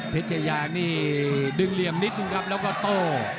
เพชรไย่านี่ดึงเรีย่มนิดครับแล้วก็โต